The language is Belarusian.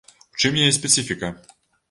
У чым яе спецыфіка?